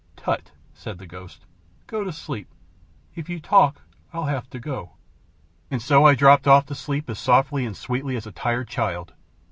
"Tutt!" said the ghost. "Go to sleep, If you talk I'll have to go." And so I dropped off to sleep as softly and as sweetly as a tired child.